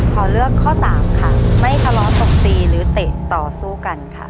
ขอเลือกข้อสามค่ะไม่ทะเลาะตบตีหรือเตะต่อสู้กันค่ะ